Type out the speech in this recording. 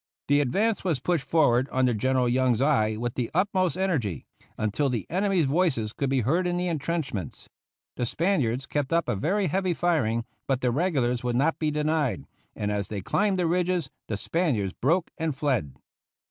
The advance was pushed forward under General Young's eye with the utmost energy, until the enemy's voices could be heard in the entrenchments. The Spaniards kept up a very heavy firing, but the regulars would not be denied, and as they climbed the ridges the Spaniards broke and fled.